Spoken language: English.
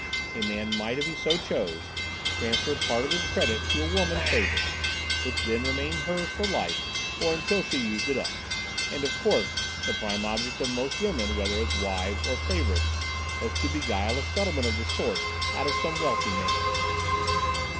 A man might, if he so chose, transfer part of his credit to a woman favorite, which then remained hers for life or until she used it up, and of course, the prime object of most women, whether as wives, or favorites, was to beguile a settlement of this sort out of some wealthy man.